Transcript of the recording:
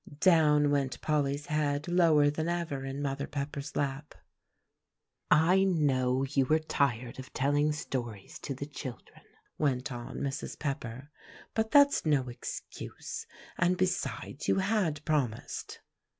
Down went Polly's head lower than ever in Mother Pepper's lap. "I know you were tired of telling stories to the children," went on Mrs. Pepper, "but that's no excuse; and besides, you had promised."